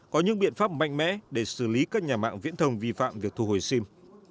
có những biện pháp mạnh mẽ để xử lý các nhà mạng viễn thông vi phạm việc thu hồi sim